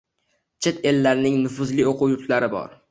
Chet ellarning nufuzli o‘quv yurtlari bor.